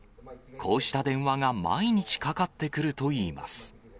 こうした電話が毎日かかってくるといいます。